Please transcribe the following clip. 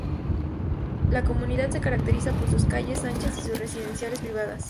La comunidad se caracteriza por sus calles anchas y sus residenciales privadas.